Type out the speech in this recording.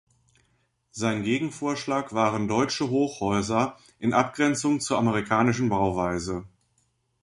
Sein Gegenvorschlag waren „deutsche Hochhäuser“ in Abgrenzung zur amerikanischen Bauweise.